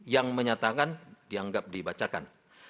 yang menyatakan dianggap dibacakan